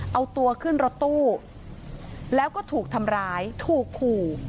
เอาตัวขึ้นรถตู้แล้วก็ถูกทำร้ายถูกขู่